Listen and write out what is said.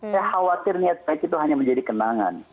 saya khawatir niat baik itu hanya menjadi kenangan